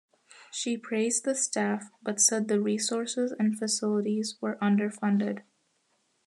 She praised the staff but said the resources and facilities were under-funded.